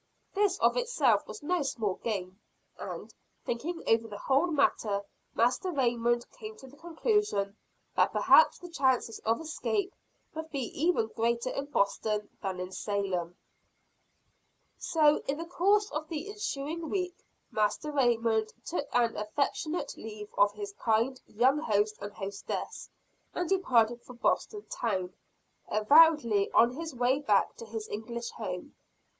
This of itself was no small gain; and, thinking over the whole matter, Master Raymond came to the conclusion that perhaps the chances of escape would be even greater in Boston than in Salem. So, in the course of the ensuing week, Master Raymond took an affectionate leave of his kind young host and hostess, and departed for Boston town, avowedly on his way back to his English home.